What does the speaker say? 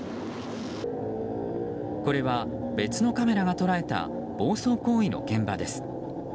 これは別のカメラが捉えた暴走行為の現場です。